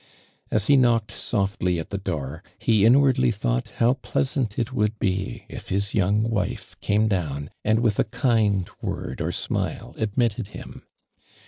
As he knocked softly at the door, he inwardly thought how pleasant it would be if his young wife came down, and with a kind word or smile admitted him.